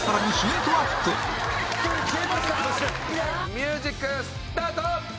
ミュージックスタート！